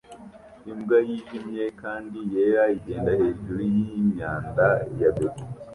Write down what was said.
Imbwa yijimye kandi yera igenda hejuru yimyanda ya beto